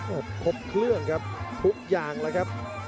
โอ้โหครบเครื่องครับทุกอย่างแล้วครับ